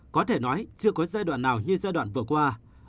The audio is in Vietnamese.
có thể nói chưa có giai đoạn nào như giai đoạn vừa qua